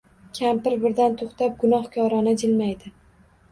Kampir birdan toʼxtab, gunohkorona jilmaydi